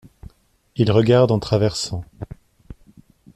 Il regarde en traversant.